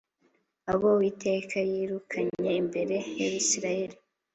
abo Uwiteka yirukanye imbere yAbisirayeli